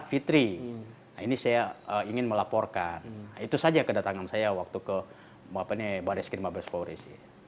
mbak pene bariskrim abaspori sih itu saya ingin melaporkan itu saja kedatangan saya waktu ke mbak pene bariskrim abaspori sih